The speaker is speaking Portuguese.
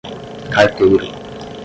carteiro